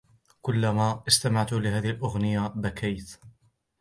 كلما استمعت إلى هذه الأغنية بكيت.